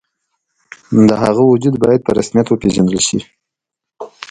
د هغه وجود باید په رسمیت وپېژندل شي.